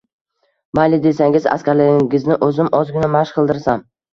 – Mayli desangiz, askarlaringizni o‘zim ozgina mashq qildirsam